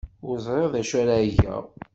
Ur ẓriɣ d acu ara geɣ.